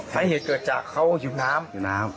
สาเหตุเกิดจากเขาหิวน้ำ